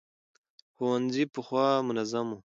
ښوونځي پخوا منظم وو.